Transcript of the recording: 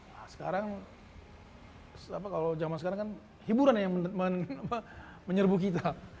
nah sekarang kalau zaman sekarang kan hiburan yang menyerbu kita